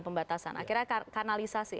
pembatasan akhirnya kanalisasi